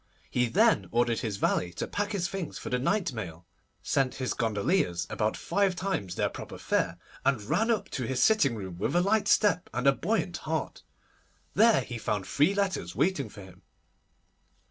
He then ordered his valet to pack his things for the night mail, sent his gondoliers about five times their proper fare, and ran up to his sitting room with a light step and a buoyant heart. There he found three letters waiting for him.